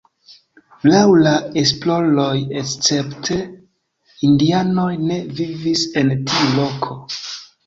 Laŭ la esploroj escepte indianoj ne vivis en tiu loko.